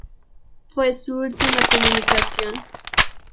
Fue su última comunicación.